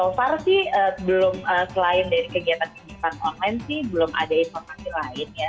jadi so far sih belum selain dari kegiatan pendidikan online sih belum ada informasi lain ya